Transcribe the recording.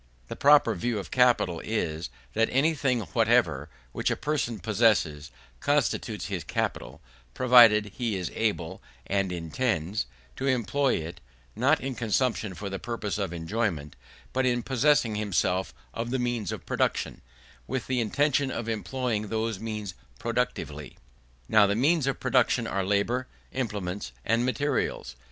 The proper view of capital is, that anything whatever, which a person possesses, constitutes his capital, provided he is able, and intends, to employ it, not in consumption for the purpose of enjoyment, but in possessing himself of the means of production, with the intention of employing those means productively. Now the means of production are labour, implements, and materials.